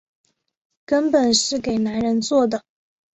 根本是给男人做的